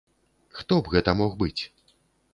Хто б гэта мог быць?